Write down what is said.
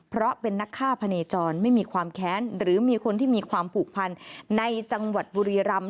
เพราะเป็นนักฆ่าพะเนจรไม่มีความแค้นหรือมีคนที่มีความผูกพันในจังหวัดบุรีรำ